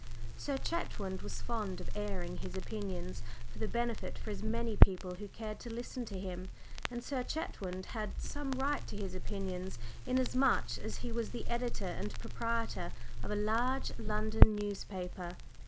Sir Chetwynd was fond of airing his opinions for the benefit of as many people who cared to listen to him, and Sir Chetwynd had some right to his opinions, inasmuch as he was the editor and proprietor of a large London newspaper.